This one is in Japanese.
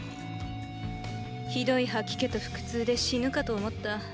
ひどい吐き気と腹痛で死ぬかと思った。